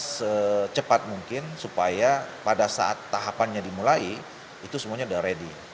secepat mungkin supaya pada saat tahapannya dimulai itu semuanya sudah ready